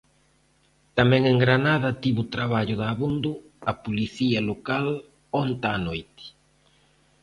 Tamén en Granada tivo traballo dabondo a Policía Local onte á noite.